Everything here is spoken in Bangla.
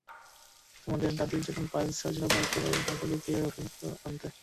তোমাদের দাদীর যখন পাইলস হইছিলো, বাস ধরে হারিদ্বার কে গেছিলো ঔষধ আনতে?